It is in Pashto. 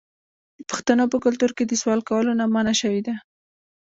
د پښتنو په کلتور کې د سوال کولو نه منع شوې ده.